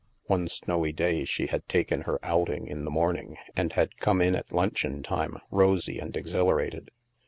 One snowy day, she had taken her outing in the morning, and had come in at luncheon time rosy and exhilarated.